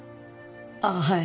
あっはい。